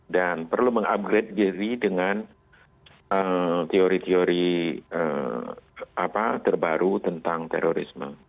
dan perlu mengupgrade diri dengan teori teori terbaru tentang terorisme